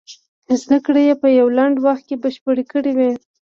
زدکړې يې په يو ډېر لنډ وخت کې بشپړې کړې وې.